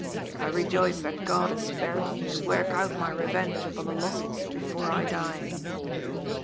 I rejoice that God has spared me to work out my revenge upon the Lossells before I die."